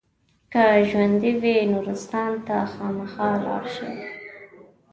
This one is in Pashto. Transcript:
که ژوندي وئ نورستان ته خامخا لاړ شئ.